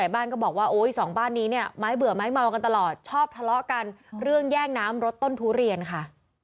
บ้านก็บอกว่าสองบ้านนี้เนี่ยไม้เบื่อไม้เมากันตลอดชอบทะเลาะกันเรื่องแย่งน้ำรถต้นทุเรียนค่ะ